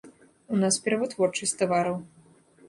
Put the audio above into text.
У нас перавытворчасць тавараў.